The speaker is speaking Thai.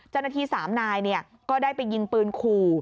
เจ้าหน้าที่๓นายก็ได้ไปยิงปืนขู่